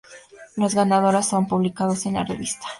Los ganadores son publicados en la revista.